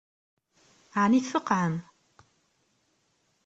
Ɛni tfeqɛem?